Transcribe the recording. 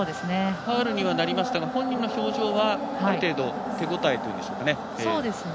ファウルにはなりましたが本人の表情はある程度手応えというんでしょうかね。